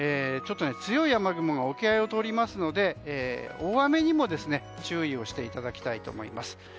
強い雨雲が沖合を通りますので大雨にも注意をしていただきたいと思います。